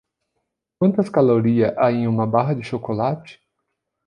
Quantas calorias há em uma barra de chocolate?